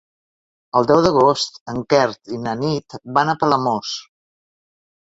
El deu d'agost en Quer i na Nit van a Palamós.